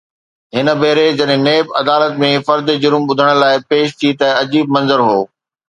هن ڀيري جڏهن نيب عدالت ۾ فرد جرم ٻڌڻ لاءِ پيش ٿي ته عجيب منظر هو.